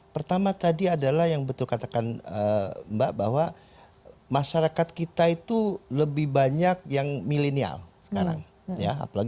pertama tadi adalah yang betul katakan mbak bahwa masyarakat kita itu lebih banyak yang milenial sekarang ya